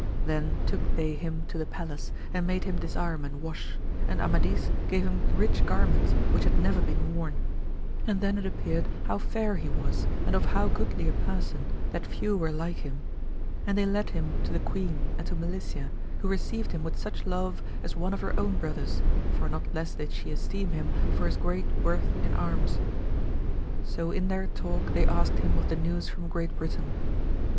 Then took they him to the palace, and made him disarm and wash, and Amadis gave him rich gar ments which had never been worn ; and then it ap peared how fair he was, and of how goodly a person,, that few were like him ; and they led him to the queen and to Melicia, who received him with such love as one of her own brothers, for not less did she esteem him for his great worth in arms. So in their talk they asked him of the news from Great Britain.